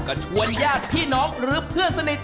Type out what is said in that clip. ก็ชวนญาติพี่น้องหรือเพื่อนสนิท